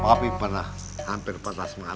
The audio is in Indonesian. pak pi pernah hampir patah semangat